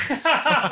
ハハハ！